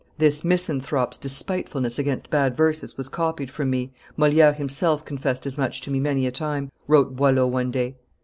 "This misanthrope's despitefulness against bad verses was copied from me; Moliere himself confessed as much to me many a time," wrote Boileau one day.